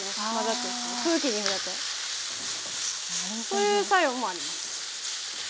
そういう作用もあります。